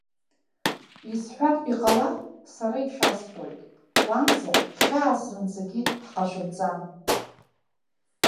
Исҳәартә иҟалар, сара ишәасҳәоит, уанӡа хьаас зынӡагьы ҳҟашәымҵан.